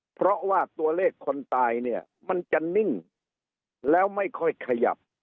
เพราะว่าตัวเลขคนตายเนี่ยมันจะนิ่งแล้วไม่ค่อยขยับ